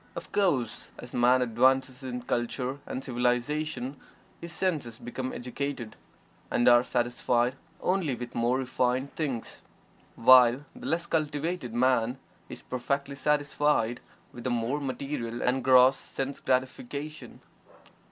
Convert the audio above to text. Of course, as Man advances in "culture" and "civilization," his senses become educated, and are satisfied only with more refined things, while the less cultivated man is perfectly satisfied with the more material and gross sense gratifications.